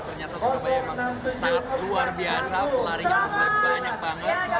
ternyata surabaya memang sangat luar biasa pelarinya banyak banget